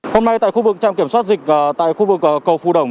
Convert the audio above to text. hôm nay tại khu vực trạm kiểm soát dịch tại khu vực cầu phù đồng